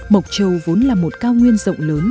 mộc châu vốn là một cao nguyên rộng lớn